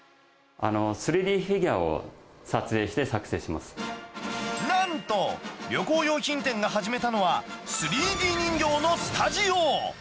３Ｄフィギュアを撮影して作なんと旅行用品店が始めたのは、３Ｄ人形のスタジオ。